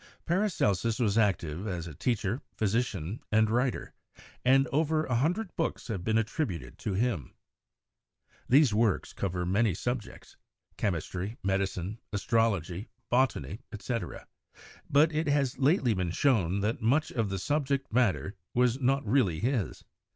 Paracelsus was active as a teacher, physician and writer, and over a hundred books have been attributed to him. These works cover many subjects — chemistry, medicine, astrology, botany, etc. — but it has lately been shown that much of the subject matter was not really his.